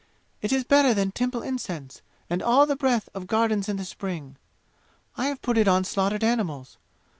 It is better than temple incense and all the breath of gardens in the spring! I have put it on slaughtered animals.